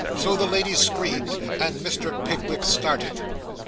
So the lady screamed, and Mr. Pickwick started.